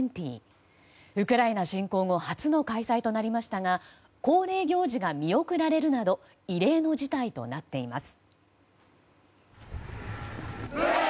ウクライナ侵攻後初の開催となりましたが恒例行事が見送られるなど異例の事態となっています。